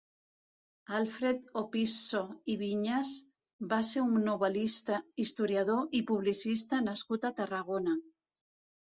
Alfred Opisso i Viñas va ser un novel·lista, historiador i publicista nascut a Tarragona.